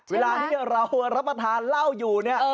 เวลาที่เรารับประทานเหล้าอยู่เนี่ย